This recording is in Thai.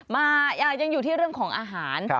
มายังอยู่ที่เรื่องของอาหาร